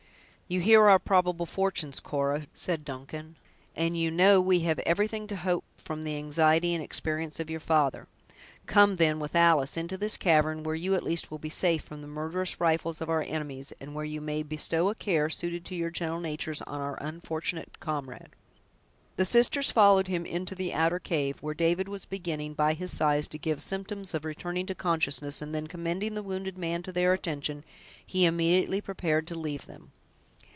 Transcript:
"You hear our probable fortunes, Cora," said Duncan, "and you know we have everything to hope from the anxiety and experience of your father. Come, then, with Alice, into this cavern, where you, at least, will be safe from the murderous rifles of our enemies, and where you may bestow a care suited to your gentle natures on our unfortunate comrade." The sisters followed him into the outer cave, where David was beginning, by his sighs, to give symptoms of returning consciousness, and then commending the wounded man to their attention, he immediately prepared to leave them.